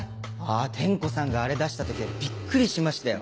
あぁ天子さんがあれ出した時はビックリしましたよ。